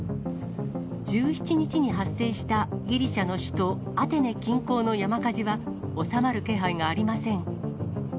１７日に発生したギリシャの首都アテネ近郊の山火事は、収まる気配がありません。